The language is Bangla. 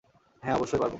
হ্যাঁ, অবশ্যই পারব।